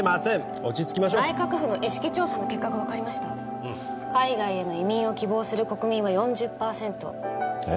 落ち着きましょう内閣府の意識調査の結果が分かりました海外への移民を希望する国民は４０％えっ！？